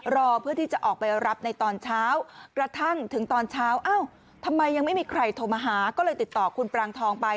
รอเพื่อที่จะออกไปรับในตอนเช้ากระทั่งถึงตอนเช้าเอ้าทำไมยังไม่มีใครโทรมาหาก็เลยติดต่อคุณปรางทองไป